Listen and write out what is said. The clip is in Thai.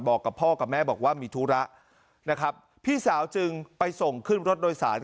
กับพ่อกับแม่บอกว่ามีธุระนะครับพี่สาวจึงไปส่งขึ้นรถโดยสาร